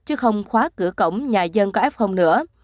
chứ không khóa cửa cổng nhà dân có f nữa